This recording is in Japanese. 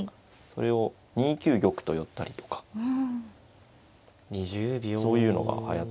それを２九玉と寄ったりとかそういうのがはやってきますね。